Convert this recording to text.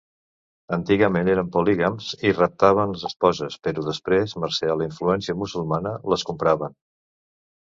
Antigament eren polígams i raptaven les esposes, però després, mercè la influència musulmana, les compraven.